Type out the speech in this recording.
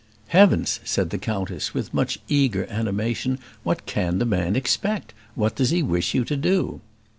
"Heavens!" said the countess, with much eager animation; "what can the man expect? What does he wish you to do?"